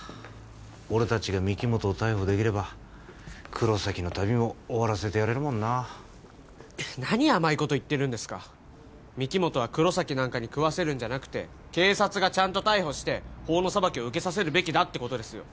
俺達が御木本を逮捕できれば黒崎の旅も終わらせてやれるもんな何甘いこと言ってるんですか御木本は黒崎なんかに喰わせるんじゃなくて警察がちゃんと逮捕して法の裁きを受けさせるべきだってことですよ